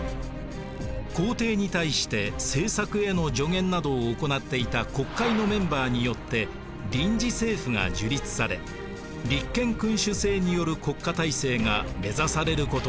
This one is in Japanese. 皇帝に対して政策への助言などを行っていた国会のメンバーによって臨時政府が樹立され立憲君主政による国家体制が目指されることになったのです。